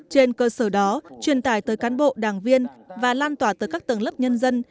trên cơ sở đó truyền tải tới cán bộ đảng viên và lan tỏa tới các tầng lớp nhân dân